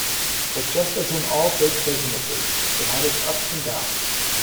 But just as in all big businesses, it had its ups and downs.